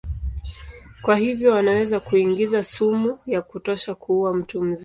Kwa hivyo wanaweza kuingiza sumu ya kutosha kuua mtu mzima.